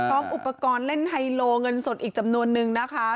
พร้อมอุปกรณ์เล่นไฮโลเงินสดอีกจำนวนนึงนะคะ